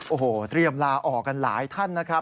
โอ้โหเตรียมลาออกกันหลายท่านนะครับ